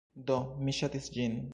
Do, mi ŝatis ĝin.